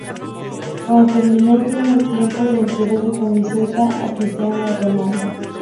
Cuando terminó el primer tiempo le entregó su camiseta a Cristiano Ronaldo.